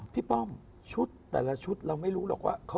ป้อมชุดแต่ละชุดเราไม่รู้หรอกว่า